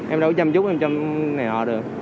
em đâu có chăm chút em chăm này họ được